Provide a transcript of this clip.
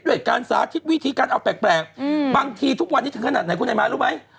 ด้วยการสาธิตวิธีการเอาแปลกบางทีทุกวันนี้ถึงขนาดไหนคุณไอ้ม้ารู้ไหม